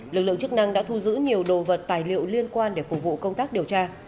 lực lượng chức năng đã thu giữ nhiều đồ vật tài liệu liên quan để phục vụ công tác điều tra